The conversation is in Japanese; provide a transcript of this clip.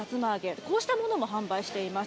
こうしたものも販売しています。